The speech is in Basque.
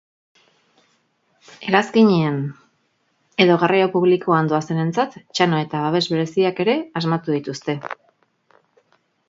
Hegazkinean edo garraio publikoan doazenentzat, txano eta babes bereziak ere asmatu dituzte.